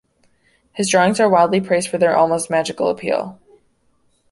His drawings are widely praised for their almost magical appeal.